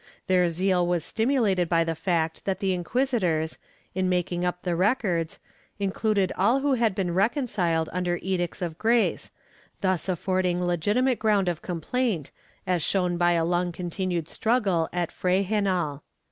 ^ Their zeal was stimulated by the fact that the inquisitors, in making up the records, included all who had been reconciled under Edicts of Grace, thus affording legitimate ground of complaint, as shown by a long continued struggle at Frejenal.